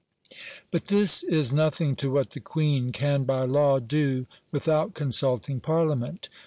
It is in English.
But this is nothing to what the Queen can by law do without consulting Parliament.